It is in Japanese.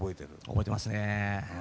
覚えてますね。